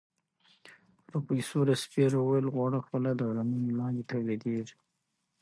پروفیسوره سپېر وویل غوړه خوله د ورنونو لاندې تولیدېږي.